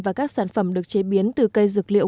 và các sản phẩm được chế biến từ cây dược liệu